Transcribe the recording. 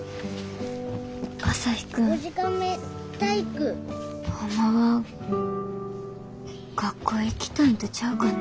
朝陽君ホンマは学校行きたいんとちゃうかな。